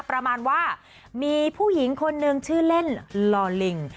ประมาณว่ามีผู้หญิงคนนึงชื่อเล่นลอลิง